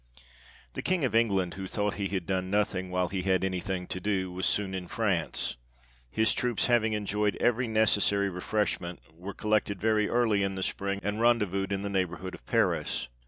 THE King of England, who thought he had done nothing while he had any thing to do, was soon in France ; his troops having enjoyed every necessary refreshment, were collected very early in the spring, and rendezvoused in the neighbourhood of Paris.